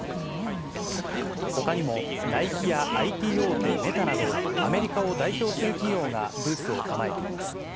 ほかにも、ナイキやＩＴ大手、メタなど、アメリカを代表する企業などがブースを構えています。